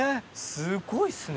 すごいですね。